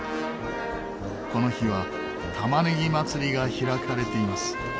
この日は玉ねぎ祭りが開かれています。